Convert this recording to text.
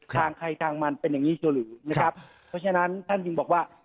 ทางใครทางมันเป็นอย่างงี้ชัวหรือนะครับเพราะฉะนั้นท่านจึงบอกว่า